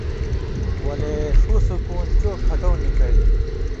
ولے ݜُو سُکون چو کھٹؤں نِکَیلوۡ۔